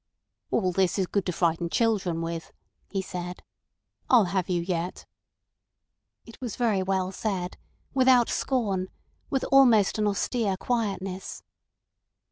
"All this is good to frighten children with," he said. "I'll have you yet." It was very well said, without scorn, with an almost austere quietness.